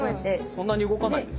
そんなに動かないですね。